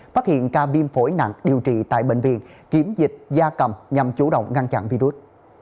phát hiện ca viêm phổi nặng điều trị tại bệnh viện kiểm dịch da cầm nhằm chủ động ngăn chặn virus